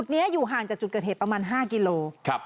นี้อยู่ห่างจากจุดเกิดเหตุประมาณ๕กิโล